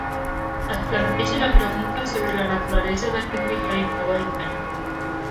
Es planteja la pregunta sobre la naturalesa d'aquest visualitzador intern.